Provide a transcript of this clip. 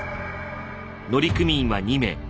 乗組員は２名。